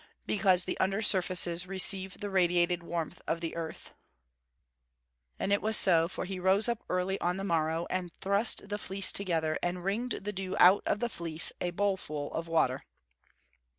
_ Because the under surfaces receive the radiated warmth of the earth. [Verse: "And it was so: for he rose up early on the morrow, and thrust the fleece together, and wringed the dew out of the fleece, a bowl full of water."